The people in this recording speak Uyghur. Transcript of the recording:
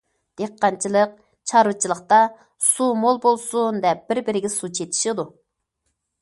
دېھقانچىلىق، چارۋىچىلىقتا سۇ مول بولسۇن دەپ بىر- بىرىگە سۇ چېچىشىدۇ.